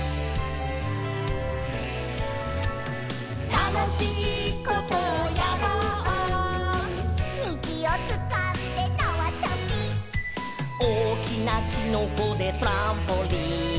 「たのしいことをやろう」「にじをつかんでなわとび」「おおきなキノコでトランポリン」